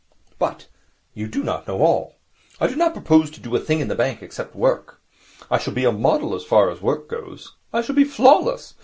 But you do not know all. I do not propose to do a thing in the bank except work. I shall be a model as far as work goes. I shall be flawless.